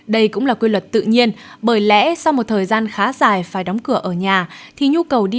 đây cũng là quy luật tự nhiên bởi lẽ sau một thời gian khá dài phải đóng cửa ở nhà thì nhu cầu đi